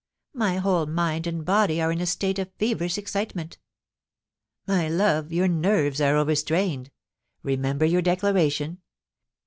My whole mind and body are in a state of feverish excitement.' * My love, your nerves are overstrained. Remember your declaration.